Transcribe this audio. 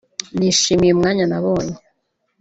“Nishimiye umwanya nabonye